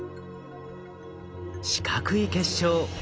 四角い結晶。